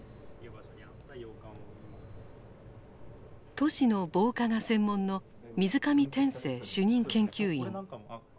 都市の防火が専門の水上点睛主任研究員。